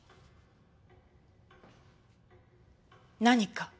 何か？